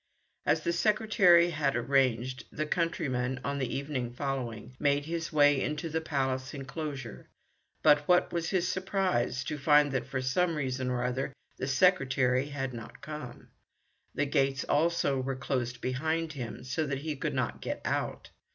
As the secretary had arranged, the countryman, on the evening following, made his way into the Palace enclosure, but what was his surprise to find that, for some reason or other, the secretary had not come. The gates, also, were closed behind him, so that he could not get out.